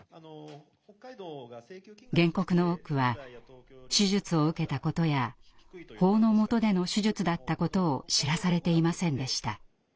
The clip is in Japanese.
原告の多くは手術を受けたことや法の下での手術だったことを知らされていませんでした。